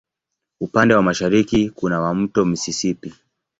Upande wa mashariki kuna wa Mto Mississippi.